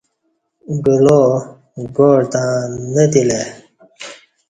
گلاو گاع تں نہ تِلہ ای